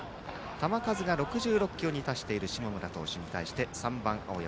球数が６６球に達している下村投手に対して３番、青山。